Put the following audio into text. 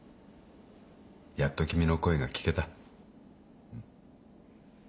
やっと君の声が聞けた。